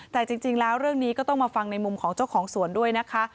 แต่จริงแล้วเรื่องนี้ก็ต้องมาฟังในมุมของเจ้าของสวนด้วยนะคะ